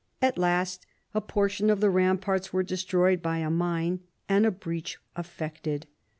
At last a portion of the ramparts was destroyed by a mine and a breach effected.